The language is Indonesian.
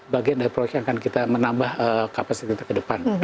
bagian dari proyek yang akan kita menambah kapasitas kita ke depan